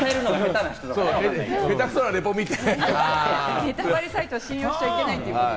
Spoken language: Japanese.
下手くそなレポ見て？